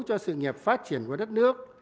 cho sự nghiệp phát triển của đất nước